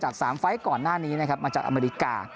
๓ไฟล์ก่อนหน้านี้นะครับมาจากอเมริกา